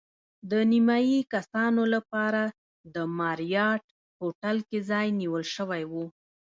د نیمایي کسانو لپاره د ماریاټ هوټل کې ځای نیول شوی و.